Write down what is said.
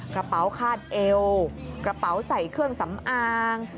กระเป๋าคาดเอวกระเป๋าใส่เครื่องสำอาง